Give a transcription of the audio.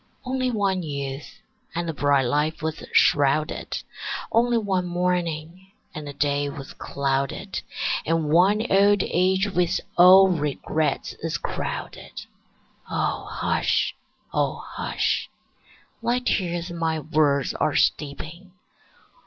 Only one youth, and the bright life was shrouded; Only one morning, and the day was clouded; And one old age with all regrets is crowded. O hush, O hush! Thy tears my words are steeping.